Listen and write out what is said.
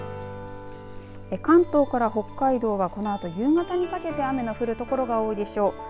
関東から北海道はこのあと夕方にかけて雨の降る所が多いでしょう。